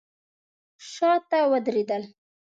شاته ودرېدل.